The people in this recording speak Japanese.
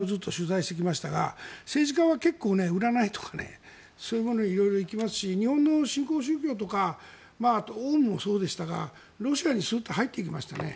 もう１つは、僕は日本の政界をずっと取材してきましたが政治家は結構占いとかそういうものに色々行きますし日本の新興宗教とかあと、オウムもそうでしたがロシアにすっと入っていきましたね。